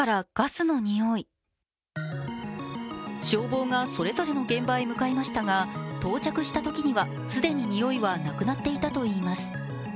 消防が、それぞれの現場へ向かいましたが到着したときには既に臭いはなくなっていたといいます。